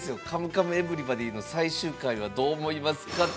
「カムカムエヴリバディ」の最終回どうなりますか？